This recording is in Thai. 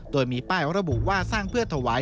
พวกนั้นคือพวกเสียงนวาสร้งเพื่อทวาย